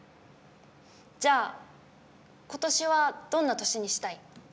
じゃあことしはどんな年にしたい？